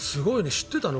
知ってたの？